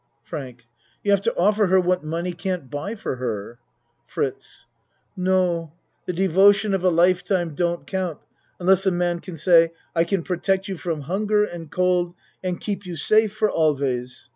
FRANK You have to offer her what money can't buy for her. FRITZ No the devotion of a life time don't count unless a man can say; "I can protect you from hunger and cold and keep you safe for always."